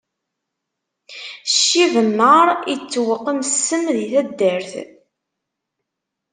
Ccib nnaṛ, ittewqim ssem di taddart.